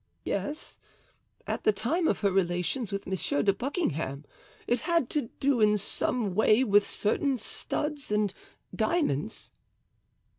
"Yes, at the time of her relations with Monsieur de Buckingham; it had to do in some way with certain studs and diamonds."